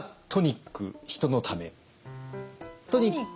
トニック？